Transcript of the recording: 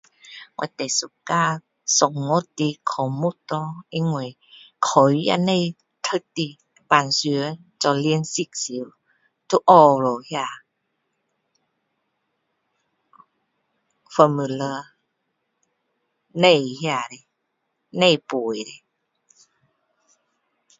我最喜欢算术的科目咯，因为考试也不用读的，平常做练习时，都学了那 [no sound] formula, 不用那些，不必背的。